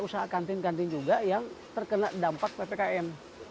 usaha kantin kantin juga yang terkena dampak ppkm